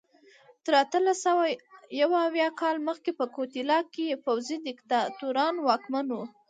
تر اتلس سوه یو اویا کال مخکې په ګواتیلا کې پوځي دیکتاتوران واکمن وو.